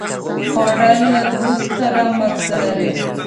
خوړل له دوست سره مزه لري